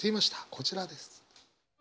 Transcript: こちらです。